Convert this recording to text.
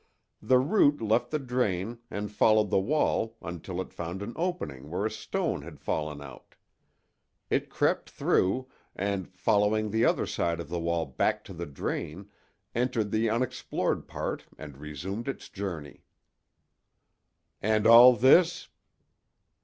The root left the drain and followed the wall until it found an opening where a stone had fallen out. It crept through and following the other side of the wall back to the drain, entered the unexplored part and resumed its journey." "And all this?"